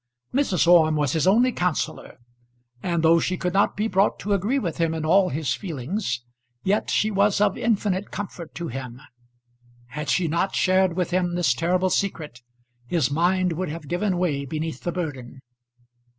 Mrs. Orme was his only counsellor, and though she could not be brought to agree with him in all his feelings, yet she was of infinite comfort to him. Had she not shared with him this terrible secret his mind would have given way beneath the burden.